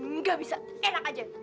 nggak bisa enak aja